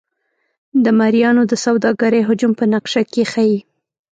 د مریانو د سوداګرۍ حجم په نقشه کې ښيي.